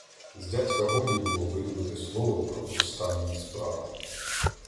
З дядька годі було видобути слово про повстанні справи.